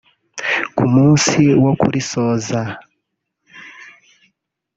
Ku munsi wo kurisoza